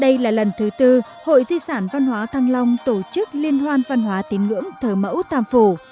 đây là lần thứ tư hội di sản văn hóa thăng long tổ chức liên hoan văn hóa tín ngưỡng thờ mẫu tam phủ